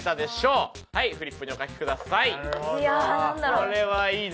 これはいいね。